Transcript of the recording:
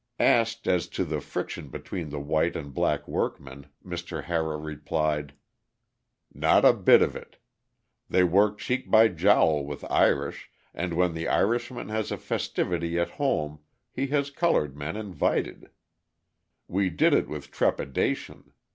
Asked as to the friction between the white and black workmen, Mr. Harrah replied: "Not a bit of it. They work cheek by jowl with Irish, and when the Irishman has a festivity at home he has coloured men invited. We did it with trepidation.